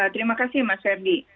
terima kasih mas ferdi